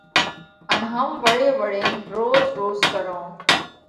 ان ھم وۯي وۯينَ روز روز ڪرونھ۔